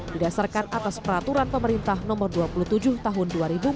didasarkan atas peraturan pemerintah nomor dua puluh tujuh tahun dua ribu dua puluh